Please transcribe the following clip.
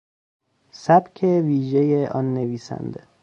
سبک ویژهی آن نویسنده